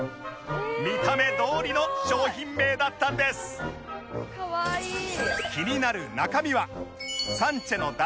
見た目どおりの商品名だったんですが入っています